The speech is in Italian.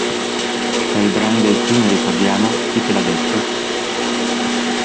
Tra i brani del film ricordiamo "Chi te l'ha detto?